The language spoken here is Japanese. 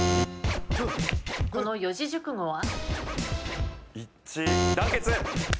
この四字熟語は？